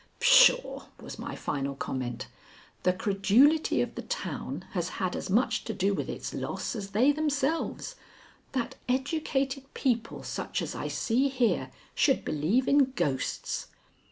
"Pshaw!" was my final comment. "The credulity of the town has had as much to do with its loss as they themselves. That educated people such as I see here should believe in ghosts!"